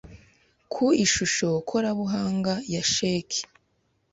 ku ishusho korabuhanga ya sheki